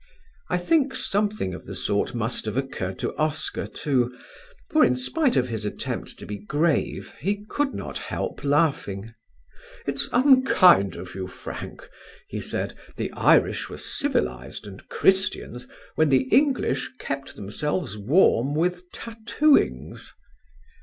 I think something of the sort must have occurred to Oscar, too, for, in spite of his attempt to be grave, he could not help laughing. "It's unkind of you, Frank," he said. "The Irish were civilised and Christians when the English kept themselves warm with tattooings."